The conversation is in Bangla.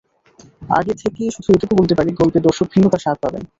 আগে থেকে শুধু এটুকু বলতে পারি, গল্পে দর্শক ভিন্নতার স্বাদ পাবেন।